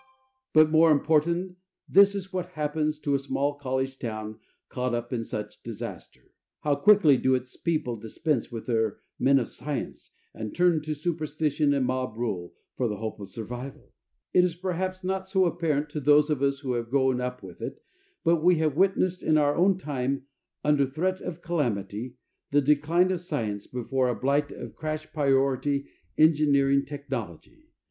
But more important, this is what happens to a small, college town caught up in such disaster. How quickly do its people dispense with their men of science and turn to superstition and mob rule for hope of survival? It is perhaps not so apparent to those of us who have grown up with it, but we have witnessed in our own time, under threat of calamity, the decline of science before a blight of crash priority engineering technology.